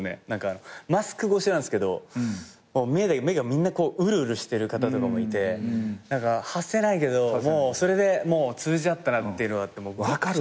マスク越しなんすけど目がみんなうるうるしてる方とかもいて外せないけどもうそれで通じ合ったなっていうのがあってぐってきて僕も。